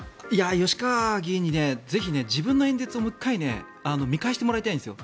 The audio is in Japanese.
吉川議員にぜひ自分の演説をもう１回見返してもらいたいんですよ。